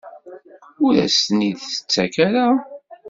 Ur as-ten-id-tettak ara?